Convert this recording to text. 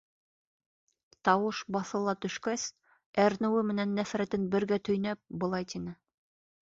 Тауыш баҫыла төшкәс, әрнеүе менән нәфрәтен бергә төйнәп, былай тине: